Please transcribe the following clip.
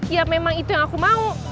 ya memang itu yang aku mau